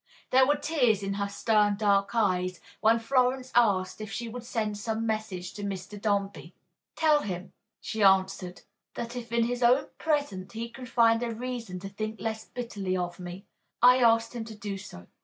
There were tears in her stern, dark eyes when Florence asked if she would send some message to Mr. Dombey. "Tell him," she answered, "that if in his own present he can find a reason to think less bitterly of me, I asked him to do so.